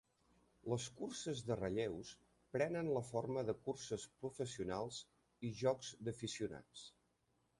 Les curses de relleus prenen la forma de curses professionals i jocs d'aficionats.